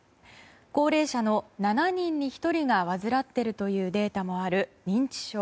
高齢者の７人に１人が患っているというデータもある認知症。